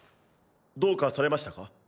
どうかされましたか？